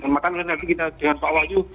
makanya nanti kita dengan pak wahyu